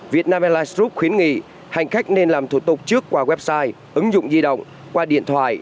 việt nam airline group khuyến nghị hành khách nên làm thủ tục trước qua website ứng dụng di động qua điện thoại